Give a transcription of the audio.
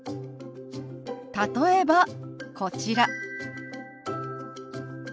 例えばこちら。